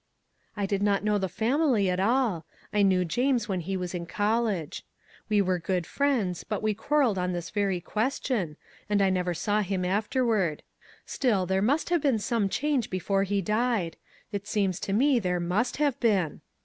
" I did not know the family at all. I knew James when he was in college: We were good friends, but we quarrelled on this very question, and I never saw him after ward ; still there must have been some change before he died. It seems to me there must have been."